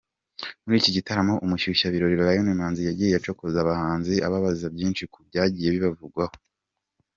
Muri iki gitaramo, umushyushyabirori Lion Imanzi yagiye acokoza abahanzi ababaza byinshi ku byagiye bibavugwaho.